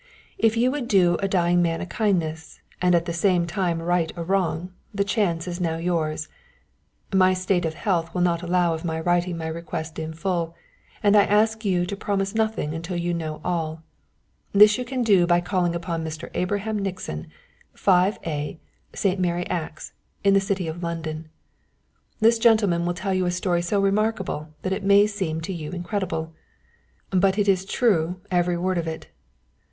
If you would do a dying man a kindness, and at the same time right a wrong, the chance is now yours. My state of health will not allow of my writing my request in full and I ask you to promise nothing until you know all. This you can do by calling upon Mr. Abraham Nixon,_ 5A, St. Mary Axe, in the City of London. "This gentleman will tell you a story so remarkable that it may seem to you incredible. "_But it is true every word of it.